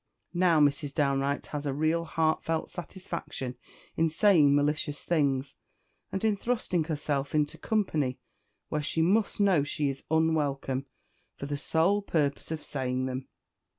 Now Mrs. Downe Wright has a real heartfelt satisfaction in saying malicious things, and in thrusting herself into company where she must know she is unwelcome, for the sole purpose of saying them.